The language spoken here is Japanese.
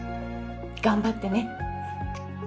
頑張ってね。